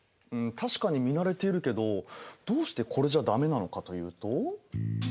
ん確かに見慣れているけどどうしてこれじゃダメなのかというと？